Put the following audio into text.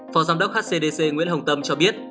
phó giám đốc hcdc nguyễn hồng tâm cho biết